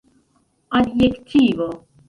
adjektivo